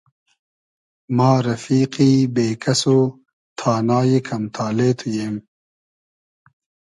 ما رئفیقی بې کئس و تانای کئم تالې تو ییم